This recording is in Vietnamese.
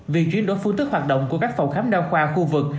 vì chuyến đổi phương tức hoạt động của các phòng khám đa khoa khu vực